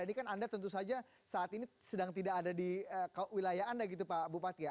ini kan anda tentu saja saat ini sedang tidak ada di wilayah anda gitu pak bupati ya